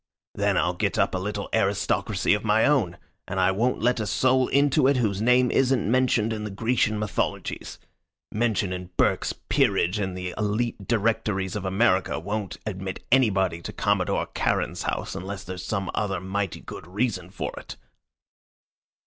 Then I'll get up a little aristocracy of my own, and I won't let a soul into it whose name isn't mentioned in the Grecian mythologies. Mention in Burke's peerage and the Elite directories of America won't admit anybody to Commodore Charon's house unless there's some other mighty good reason for it."